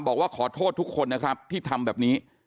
บอกว่าขอโทษทุกคนนะครับที่ทำแบบนี้